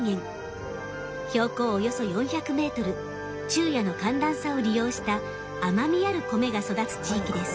標高およそ４００メートル昼夜の寒暖差を利用した甘みある米が育つ地域です。